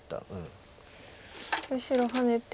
白ハネて。